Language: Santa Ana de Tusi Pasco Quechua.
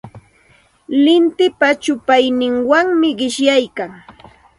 Lintipa llupayninwanmi qishyaykan.